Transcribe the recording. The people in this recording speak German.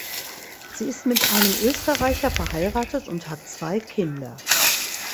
Sie ist mit einem Österreicher verheiratet und hat zwei Kinder.